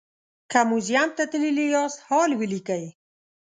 که موزیم ته تللي یاست حال ولیکئ.